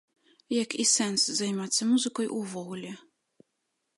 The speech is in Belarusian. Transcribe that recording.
Як і сэнс займацца музыкай увогуле.